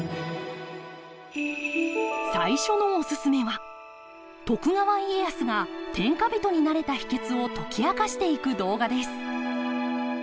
最初のおすすめは徳川家康が天下人になれた秘けつを解き明かしていく動画です。